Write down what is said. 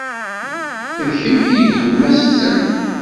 D kemm i d yemma-tsen?